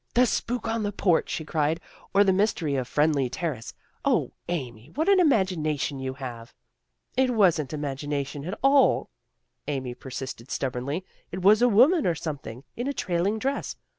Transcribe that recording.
" The Spook on the Porch," she cried, " or the Mystery of Friendly Terrace. O, Amy, what an imagination you have!" " It wasn't imagination at all," Amy per sisted stubbornly. " It was a woman or some thing in a trailing dress.